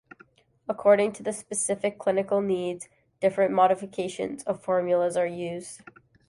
According to the specific clinical needs, different modifications of formulas are used.